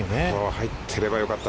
入ってればよかった。